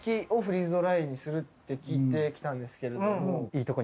聞いて来たんですけれども。